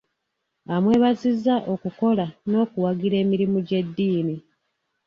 Amwebazizza okukola n'okuwagira emirimu gy'eddiini.